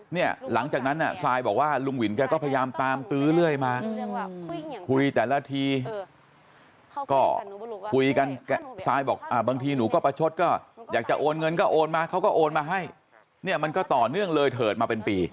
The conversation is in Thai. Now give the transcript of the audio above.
เนี่ยหลังจากนั้นซายบอกว่าลุงวินแกก็พยายามตามตื้อเรื่อยมาคุยแต่ละทีก็คุยกันซายบอกบางทีหนูก็ประชดก็อยากจะโอนเงินก็โอนมาเขาก็โอนมาให้เนี่ยมันก็ต่อเนื่องเลยเถิดมาเป็นปี